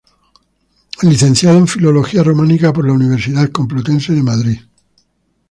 Licenciado en Filología Románica por la Universidad Complutense de Madrid.